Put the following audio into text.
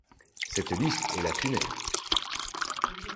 Cette liste est lacunaire.